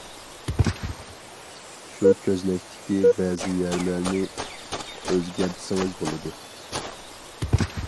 شۇ كۆزنەكتىكى بەزى يەرلەرنى ئۆزگەرتسىڭىز بولىدۇ.